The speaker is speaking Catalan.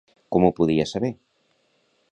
Com ho podia saber?